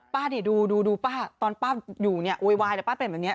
ป้าดิดูดูดูป้าตอนป้าอยู่นี่อวยวายแต่ป้าเป็นแบบนี้